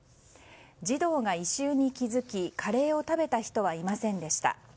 児童が異臭に気づき、カレーを食べた人はいませんでした。